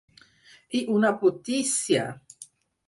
I una brutícia!